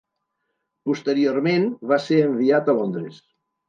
Posteriorment, va ser enviat a Londres.